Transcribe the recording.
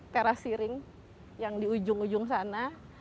teras siring yang di ujung ujung sana